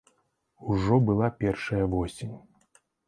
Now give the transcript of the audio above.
Ужо была першая восень.